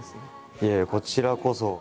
いえいえこちらこそ。